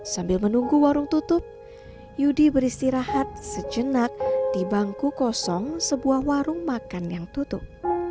sambil menunggu warung tutup yudi beristirahat sejenak di bangku kosong sebuah warung makan yang tutup